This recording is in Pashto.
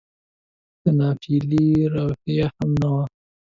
د ناپیېلې روحیه هم نه وه.